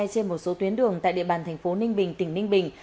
trên một số tuyến đường tại địa bàn tp ninh bình tỉnh ninh bình